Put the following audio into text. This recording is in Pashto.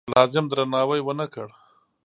لازم درناوی ونه کړ.